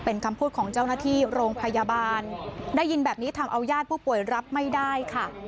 เป็นคำพูดของเจ้าหน้าที่โรงพยาบาลได้ยินแบบนี้ทำเอาญาติผู้ป่วยรับไม่ได้ค่ะ